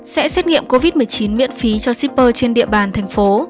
sẽ xét nghiệm covid một mươi chín miễn phí cho shipper trên địa bàn thành phố